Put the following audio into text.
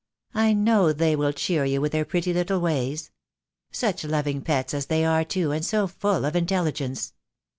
I know they will cheer you, with their pretty little ways. Such loving pets as they are too, and so full of intelligence.